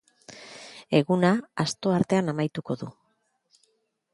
Eguna asto artean amaituko du.